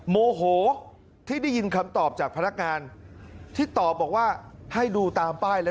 โมโหที่ได้ยินคำตอบจากพนักงานที่ตอบบอกว่าให้ดูตามป้ายแล้ว